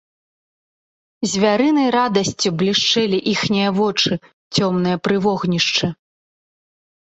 Звярынай радасцю блішчэлі іхнія вочы, цёмныя пры вогнішчы.